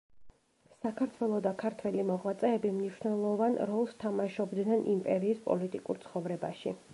საქართველო და ქართველი მოღვაწეები მნიშვნელოვან როლს თამაშობდნენ იმპერიის პოლიტიკურ ცხოვრებაში.